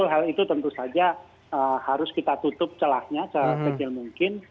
hal itu tentu saja harus kita tutup celahnya sekecil mungkin